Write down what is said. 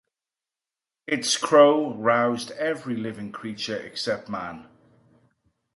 Its crow roused every living creature except man.